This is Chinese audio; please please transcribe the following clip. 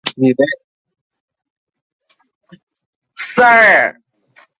叶片的圆形裂片为扑克牌梅花图案的来源。